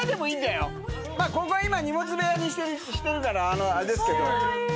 ここは今荷物部屋にしてるからあれですけど。